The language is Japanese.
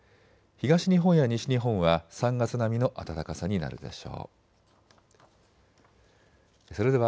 東日本や西日本は３月並みの暖かさになるでしょう。